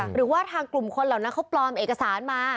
หรือว่าทางกลุ่มคนเหล่านั้นเขาปลอมเอกสารมา